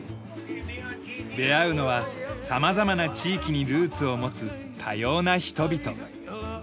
出会うのは様々な地域にルーツを持つ多様な人々。